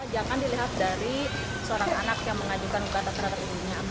jangan dilihat dari seorang anak yang mengajukan gugatan terhadap ibunya